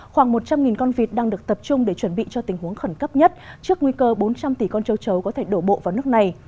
khoảng một trăm linh con vịt đang được tập trung để chuẩn bị cho tình huống khẩn cấp nhất trước nguy cơ bốn trăm linh tỷ con châu chấu có thể đổ bộ vào nước này